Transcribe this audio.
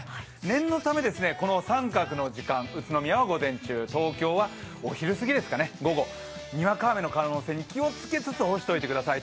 念のため、この△の時間、宇都宮は午前中、東京はお昼過ぎですかね、午後、にわか雨の可能性に気をつけつつ干しておいてください。